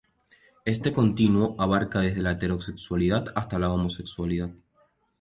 Este continuo abarca desde la heterosexualidad hasta la homosexualidad.